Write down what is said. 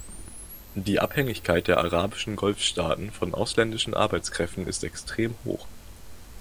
Die Abhängigkeit der arabischen Golfstaaten von ausländischen Arbeitskräften ist extrem hoch.